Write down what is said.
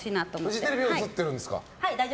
フジテレビは映ってるんですか？